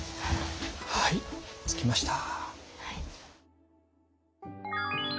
はい着きました。